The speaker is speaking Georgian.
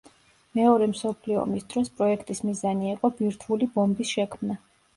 მეორე მსოფლიო ომის დროს პროექტის მიზანი იყო ბირთვული ბომბის შექმნა.